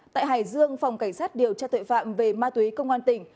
tại hải dương phòng cảnh sát điều tra tội phạm về ma túy công an tỉnh